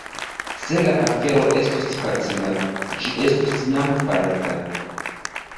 Se la afero estus facila, ĝi estus jam farita.